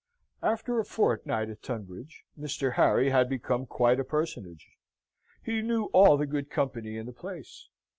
After a fortnight of Tunbridge, Mr. Harry had become quite a personage. He knew all the good company in the place.